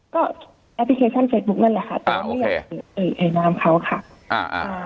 ก็แอปพลิเคชันเฟสบุ๊คนั่นแหละค่ะตอนที่เอ่ยเอ่ยนามเขาค่ะอ่าอ่า